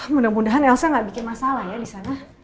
mudah mudahan elsa gak bikin masalah ya disana